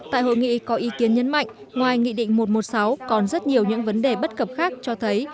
tại hội nghị có ý kiến nhấn mạnh ngoài nghị định một trăm một mươi sáu còn rất nhiều những vấn đề bất cập khác cho thấy